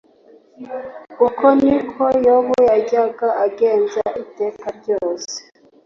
Uko ni ko Yobu yajyaga agenza iteka ryose